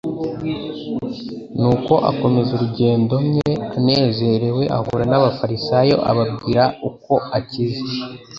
Nuko akomeza urugendo mye anezerewe ahura n'abafarisayo ababwira uko akize;